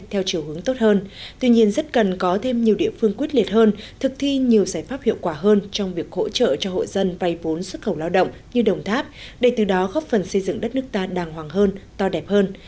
theo chiều hướng tốt hơn tuy nhiên rất cần có thêm nhiều địa phương quyết liệt hơn thực thi nhiều giải pháp hiệu quả hơn trong việc hỗ trợ cho hộ dân vay vốn xuất khẩu lao động như đồng tháp để từ đó góp phần xây dựng đất nước ta đàng hoàng hơn to đẹp hơn